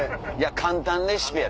簡単レシピや。